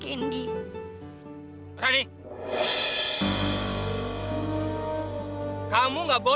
kadang itu kakak jongo